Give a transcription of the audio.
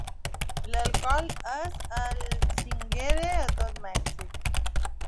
L'alcohol és el "chínguere" a tot Mèxic.